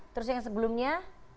terus yang sebelumnya